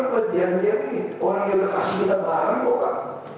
berada di balik rumah